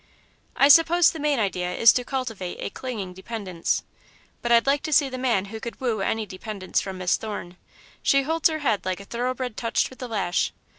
"I suppose the main idea is to cultivate a clinging dependence, but I'd like to see the man who could woo any dependence from Miss Thorne. She holds her head like a thoroughbred touched with the lash.